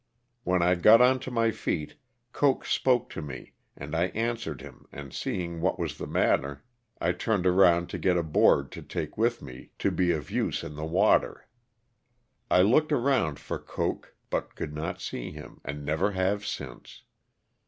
When I got on to my feet Coak spoke to me and I answered him, and seeing what was the matter I turned around LOSS OF THE SULTANA. 101 to get a board to take with me to be of use in the water. I looked around for Ooak, but could not see him and never have since.